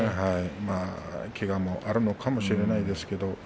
まあ、けがもあるのかもしれないですけれども。